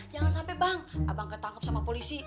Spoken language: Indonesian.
jangan sampai bang abang ketangkep sama polisi